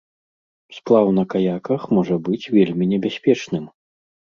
Сплаў на каяках можа быць вельмі небяспечным.